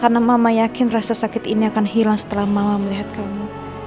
karena mama yakin rasa sakit ini akan hilang setelah mama melihat kamu